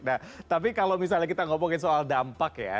nah tapi kalau misalnya kita ngomongin soal dampak ya